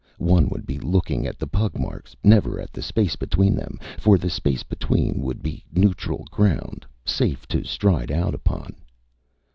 One would be looking at the pug marks, never at the space between them, for the space between would be neutral ground, safe to stride out upon.